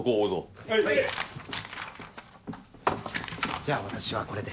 じゃあ私はこれで。